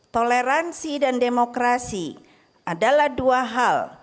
toleransi dan demokrasi adalah dua hal